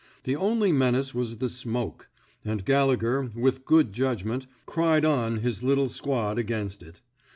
The only menace was the smoke; and Gallegher, with good judgment, cried on his little squad against it.